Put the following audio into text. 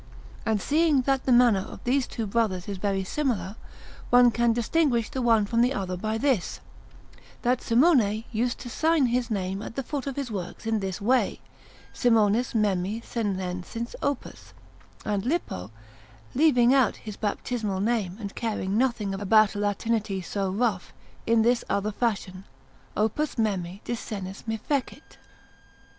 And seeing that the manner of these two brothers is very similar, one can distinguish the one from the other by this, that Simone used to sign his name at the foot of his works in this way: SIMONIS MEMMI SENENSIS OPUS; and Lippo, leaving out his baptismal name and caring nothing about a Latinity so rough, in this other fashion: OPUS MEMMI DE SENIS ME FECIT.